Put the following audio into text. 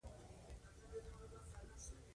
رضوان په خندا.